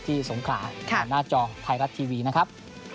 ที่สงขาหน้าจอไทยรัฐทีวีนะครับ